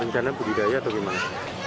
rencana budidaya atau gimana